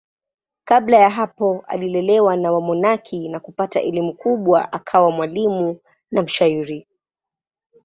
Kabla ya hapo alilelewa na wamonaki na kupata elimu kubwa akawa mwalimu na mshairi.